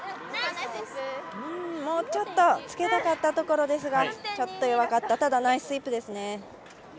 もうちょっとつけたかったところですがちょっと弱かった、ただナイススイープですね。